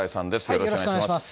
よろしくお願いします。